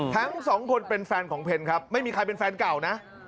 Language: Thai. ทั้งสองคนเป็นแฟนของเพนครับไม่มีใครเป็นแฟนเก่านะ